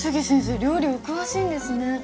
料理お詳しいんですね